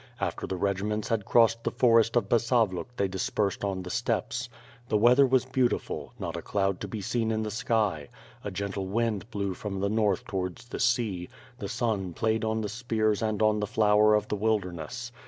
After the regiments had crossed the forest of Basavluk they dispersed on the steppes. The weather was beautiful, not a cloud to be seen in the sky; a gentle wind blew from the north towards the sea, the sun played on the spears and on the flower of the wilderness.